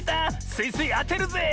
スイスイあてるぜ！